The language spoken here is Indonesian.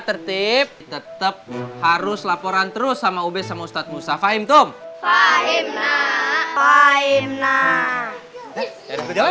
tertip tetep harus laporan terus sama ub sama ustadz musa fahim tum fahim fahim nah